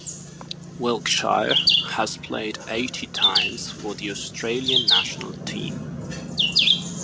Wilkshire has played eighty times for the Australian national team.